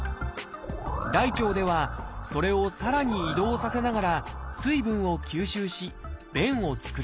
大腸ではそれをさらに移動させながら水分を吸収し便を作ります。